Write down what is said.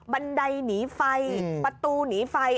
บันไดหนีไฟประตูหนีไฟ